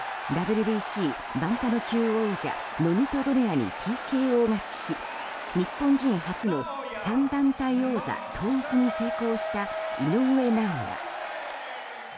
ＷＢＣバンタム級王者ノニト・ドネアにＴＫＯ勝ちし日本人初の３団体王座統一に成功した井上尚弥。